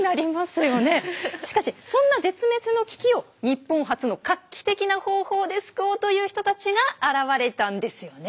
しかしそんな絶滅の危機を日本初の画期的な方法で救おうという人たちが現れたんですよね？